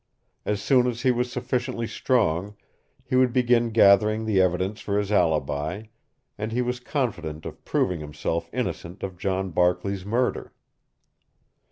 As soon as he was sufficiently strong, he would begin gathering the evidences for his alibi, and he was confident of proving himself innocent of John Barkley's murder.